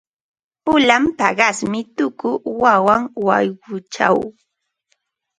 Pulan paqasmi tuku waqan wayquchaw.